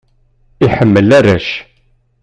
Iḥemmel arrac.